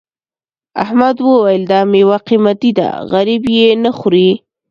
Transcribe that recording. احمد وویل دا میوه قيمتي ده غريب یې نه خوري.